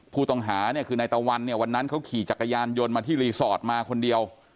ผู้ต้องหาเนี่ยคือนายตะวันเนี่ยวันนั้นเขาขี่จักรยานยนต์มาที่รีสอร์ทมาคนเดียว